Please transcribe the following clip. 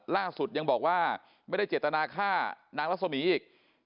ล่าสุดยังบอกว่าไม่ได้เจตนาฆ่านางรัศมีอีก